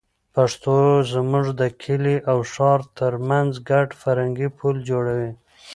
پښتو زموږ د کلي او ښار تر منځ ګډ فرهنګي پُل جوړوي.